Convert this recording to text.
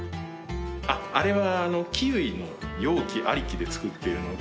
あれはキウイの容器ありきで作ってるので。